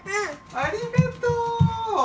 ありがとう！